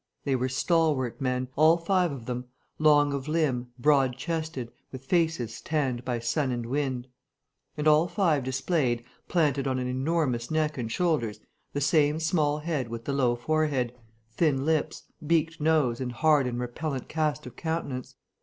They were stalwart men, all five of them, long of limb, broad chested, with faces tanned by sun and wind. And all five displayed, planted on an enormous neck and shoulders, the same small head with the low forehead, thin lips, beaked nose and hard and repellent cast of countenance.